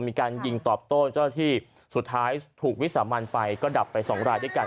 มีการยิงตอบโต้เจ้าที่สุดท้ายถูกวิสามันไปก็ดับไปสองรายด้วยกัน